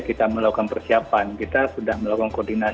kesekumentaraan tga delapan